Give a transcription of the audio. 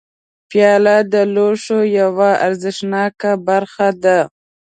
پیاله د لوښو یوه ارزښتناکه برخه ده.